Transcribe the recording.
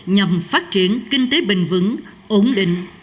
nhằm phát triển kinh tế bình vững ổn định